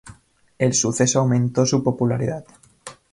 El suceso aumentó su popularidad.